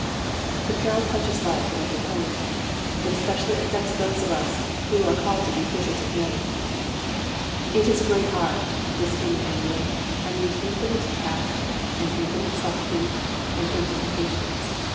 The peril touches life at every point. It especially affects those of us who are called to be fishers of men. It is a great art, this human angling, and needs infinite tact, and infinite subtilty, and infinite patience.